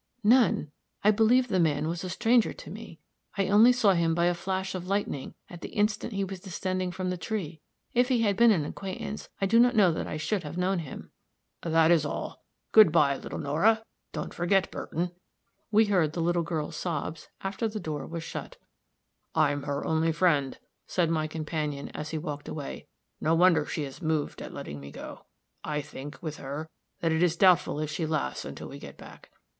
"None. I believe the man was a stranger to me. I only saw him by a flash of lightning at the instant he was descending from the tree; if he had been an acquaintance I do not know that I should have known him." "That is all. Good by, little Nora. Don't forget Burton." We heard the girl's sobs after the door was shut. "I'm her only friend," said my companion, as he walked away. "No wonder she is moved at letting me go. I think, with her, that it is doubtful if she lasts until we get back.